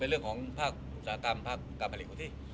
เป็นเรื่องของผ้ากลมถ้าตัวถูกสุดดี